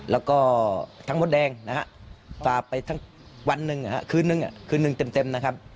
แล้วก็ทั้งมดแดงนะฮะฝากไปทั้งวันหนึ่งคืนนึงคืนนึงเต็มนะครับ